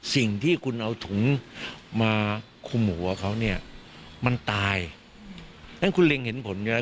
สิ่งที่คุณเอาถุงมาคุมหัวเขาเนี่ยมันตายงั้นคุณเล็งเห็นผลอยู่แล้ว